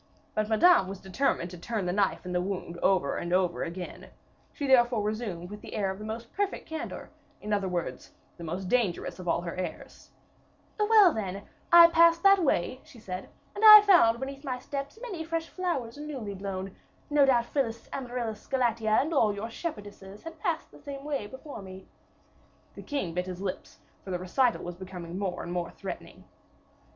But Madame was determined to turn the knife in the wound over and over again; she therefore resumed with the air of the most perfect candor, in other words, with the most dangerous of all her airs: "Well, then, I passed that way," she said, "and as I found beneath my steps many fresh flowers newly blown, no doubt Phyllis, Amaryllis, Galatea, and all your shepherdesses had passed the same way before me." The king bit his lips, for the recital was becoming more and more threatening.